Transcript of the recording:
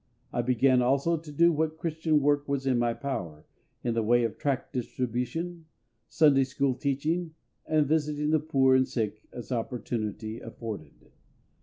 I began also to do what Christian work was in my power, in the way of tract distribution, Sunday school teaching, and visiting the poor and sick, as opportunity afforded.